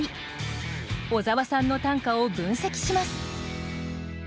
小沢さんの短歌を分析します。